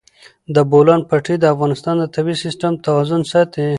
د بولان پټي د افغانستان د طبعي سیسټم توازن ساتي.